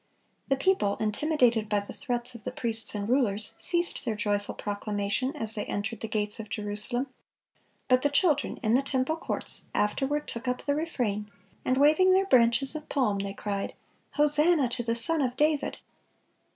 The people, intimidated by the threats of the priests and rulers, ceased their joyful proclamation as they entered the gates of Jerusalem; but the children in the temple courts afterward took up the refrain, and waving their branches of palm, they cried, "Hosanna to the Son of David!"